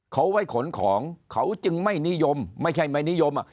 เขาไว้ขนของเขาจึงไม่นิยมไม่ใช่ไม่นิยม